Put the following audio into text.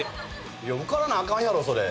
いや受からなアカンやろそれ。